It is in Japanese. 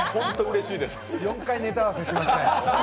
４回ネタ合わせしました。